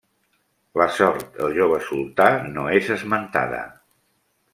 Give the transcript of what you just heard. La sort del jove sultà no és esmentada.